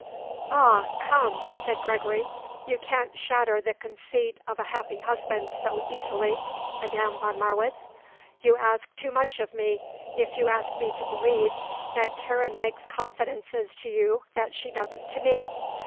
"Ah, come," said Gregory. "You can't shatter the conceit of a happy husband so easily, Madame von Marwitz. You ask too much of me if you ask me to believe that Karen makes confidences to you that she doesn't to me.